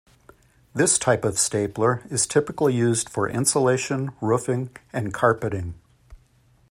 This type of stapler is typically used for insulation, roofing and carpeting.